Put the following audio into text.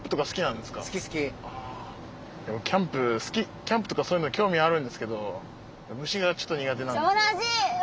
でもキャンプ好きキャンプとかそういうの興味あるんですけど虫がちょっと苦手なんですよ。